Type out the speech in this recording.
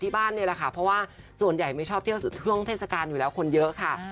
เพราะว่าส่วนใหญ่ไม่ชอบเที่ยวสุทธิพกรงเทศกาลอยู่แล้วคนเยอะค่ะ